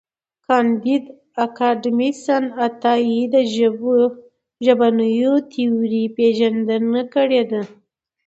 کانديد اکاډميسن عطایي د ژبنیو تیورۍ پېژندنه کړې ده.